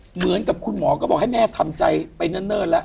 เหมือนกับคุณหมอก็บอกให้แม่ทำใจไปเนิ่นแล้ว